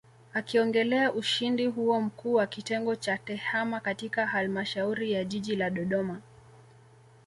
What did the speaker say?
Akiongelea ushindi huo Mkuu wa Kitengo cha Tehama katika Halmashauri ya Jiji la Dodoma